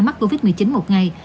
mắc covid một mươi chín một ngày